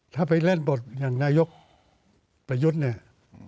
ถ้าไปเล่นบทอย่างนายกประยุทธ์เนี่ย